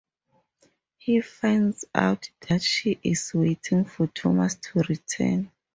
He finds out that she is waiting for Thomas to return.